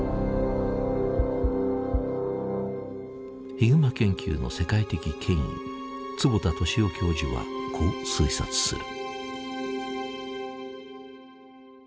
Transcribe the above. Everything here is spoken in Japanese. ヒグマ研究の世界的権威坪田敏男教授はこう推察する。